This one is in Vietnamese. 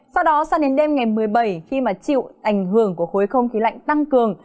sau đó sang đến đêm ngày một mươi bảy khi mà chịu ảnh hưởng của khối không khí lạnh tăng cường